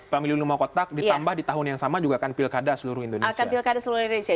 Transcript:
pemilih rumah kotak ditambah di tahun yang sama juga akan pilkada seluruh indonesia